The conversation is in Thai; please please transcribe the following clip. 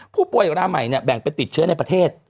ผู้ป่วยรายใหม่เนี่ยแบ่งไปติดเชื้อในประเทศ